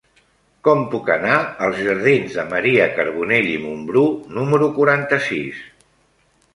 Com puc anar als jardins de Maria Carbonell i Mumbrú número quaranta-sis?